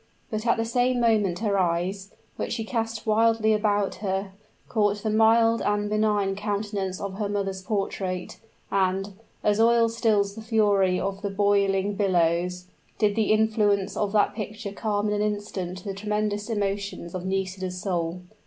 But at the same moment her eyes, which she cast wildly about her, caught the mild and benign countenance of her mother's portrait; and, as oil stills the fury of the boiling billows, did the influence of that picture calm in an instant the tremendous emotions of Nisida's soul.